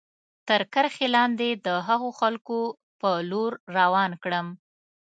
تر کرښې لاندې د هغو خلکو په لور روان کړم.